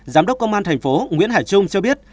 giám đốc công an thành phố nguyễn hải trung cho biết